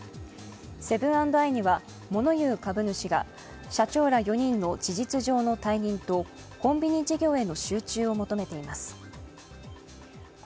セブン＆アイには物言う株主が社長ら４人の事実上の退任と、コンビニ事業への集中を求めています。